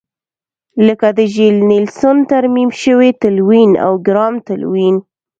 لکه د ژیل نیلسن ترمیم شوی تلوین او ګرام تلوین.